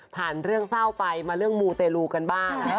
เรื่องเศร้าไปมาเรื่องมูเตลูกันบ้าง